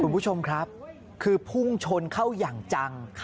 คุณผู้ชมครับคือพุ่งชนเข้าอย่างจัง